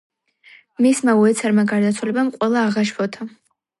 მისმა უეცარმა გარდაცვალებამ ყველა აღაშფოთა.